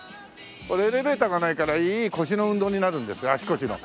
これエレベーターがないからいい腰の運動になるんです足腰の。